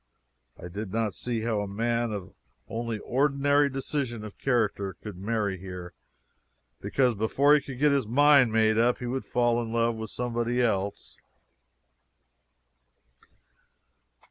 I did not see how a man of only ordinary decision of character could marry here, because before he could get his mind made up he would fall in love with somebody else.